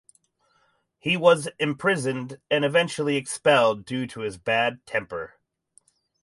He was imprisoned and eventually expelled due to his bad temper.